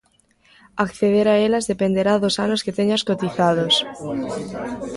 Acceder a elas dependerá dos anos que teñas cotizados.